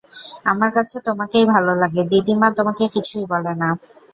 আমার কাছে তোমাকেই ভালো লাগে, দিদি মা তোমাকে কিছুই বলে না।